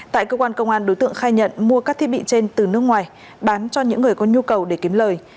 tại cơ quan công an đối tượng khai nhận mua các thiết bị trên từ nước ngoài bán cho những người có nhu cầu để kiếm lời